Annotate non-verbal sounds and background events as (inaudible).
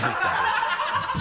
ハハハ (laughs)